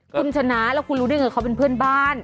คุณชนะแล้วคุณรู้ได้ไงเขาเป็นเพื่อนบ้าน